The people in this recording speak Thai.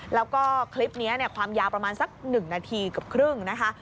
แล้วก็คลิปนี้ความยาวประมาณสัก๑นาทีกับครึ่งนะคะ